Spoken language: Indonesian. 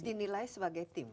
dinilai sebagai tim